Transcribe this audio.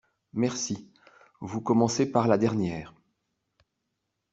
Merci, vous commencez par la dernière.